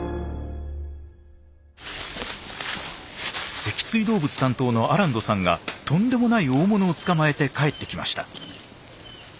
脊椎動物担当のアランドさんがとんでもない大物を捕まえて帰ってきました。